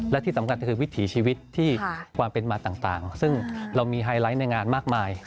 และที่สำคัญก็คือวิถีชีวิตที่ความเป็นมาต่างซึ่งเรามีไฮไลท์ในงานมากมาย